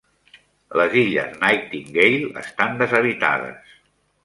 Les illes Nightingale estan deshabitades.